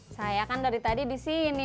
saya kan dari tadi disini